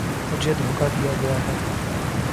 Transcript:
مجھے دھوکا دیا گیا ہے